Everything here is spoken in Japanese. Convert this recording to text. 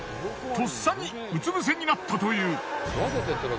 とっさにうつ伏せになったという。